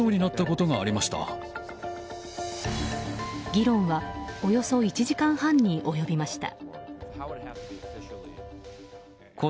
議論はおよそ１時間半に及びました。